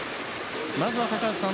まずは高橋さん